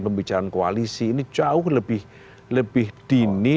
pembicaraan koalisi ini jauh lebih dini